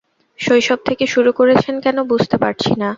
শৈশব থেকে শুরু করেছেন কেন বুঝতে পারছিনা।